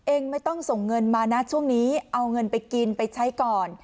เองไม่ต้องส่งเงินมานะช่วงนี้เอาเงินไปกินไปใช้ก่อน